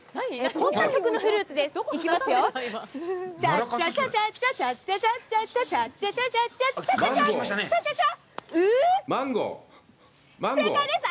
こんな曲のフルーツです。